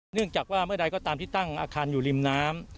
เนื่องจากว่าเมื่อใดก็ตามที่ตั้งอาคารอยู่ริมน้ำ